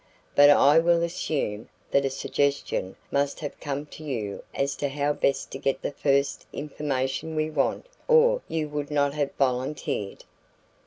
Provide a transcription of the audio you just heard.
But I will assume that a suggestion must have come to you as to how best to get the first information we want or you would not have volunteered."